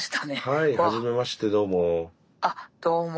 はじめましてどうも。